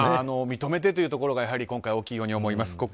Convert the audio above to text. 認めてというところがやはり今回大きいように思います。